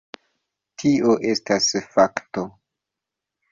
Tio estas fakto.